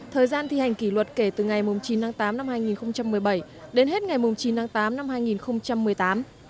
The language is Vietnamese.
thời gian thi hành kỷ luật kể từ ngày chín tháng tám năm hai nghìn một mươi bảy đến hết ngày chín tháng tám năm hai nghìn một mươi tám